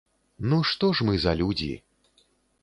Ну, што ж мы за людзі?!